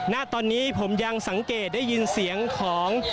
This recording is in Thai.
ณตอนนี้ผมยังสังเกตได้ยินเสียงของ